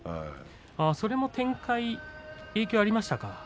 それも展開に影響がありましたか。